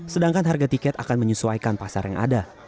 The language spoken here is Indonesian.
sedangkan harga tiket akan menyesuaikan pasar yang ada